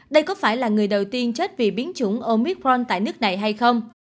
đây có phải là người đầu tiên chết vì biến chủng omicron tại nước này hay không